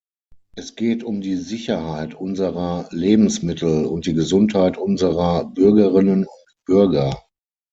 Es geht um die Sicherheit unserer Lebensmittel und die Gesundheit unserer Bürgerinnen und Bürger.